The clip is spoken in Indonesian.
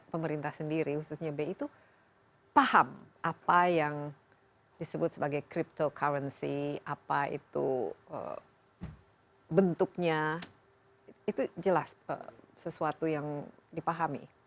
pemerintah sendiri khususnya bi itu paham apa yang disebut sebagai cryptocurrency apa itu bentuknya itu jelas sesuatu yang dipahami